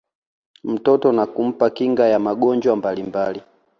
mtoto na kumpa kinga ya magonjwa mbalimbali